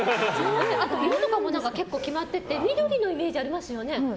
あと色とかも決まってて緑のイメージありますよね。